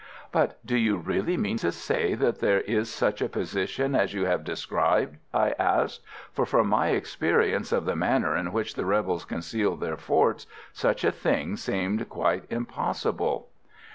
"But do you really mean to say that there is such a position as you have described?" I asked, for from my experience of the manner in which the rebels concealed their forts, such a thing seemed quite impossible.